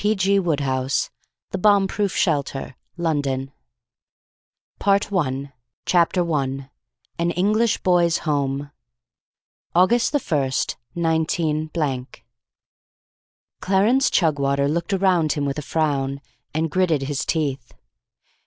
P. G. WODEHOUSE. The Bomb Proof Shelter, London, W. Part One Chapter 1 AN ENGLISH BOY'S HOME _August the First, 19 _ Clarence Chugwater looked around him with a frown, and gritted his teeth.